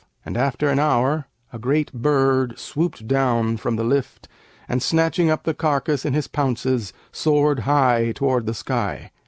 And after an hour a great bird swooped down from the lift and, snatching up the carcass in his pounces soared high toward the sky.